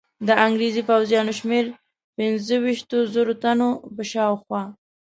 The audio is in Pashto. د انګرېزي پوځیانو شمېر پنځه ویشتو زرو تنو په شاوخوا.